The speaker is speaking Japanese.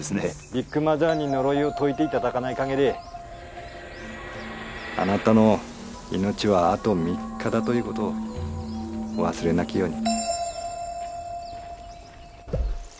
ビッグマザーに呪いを解いて頂かない限りあなたの命はあと３日だという事をお忘れなきように。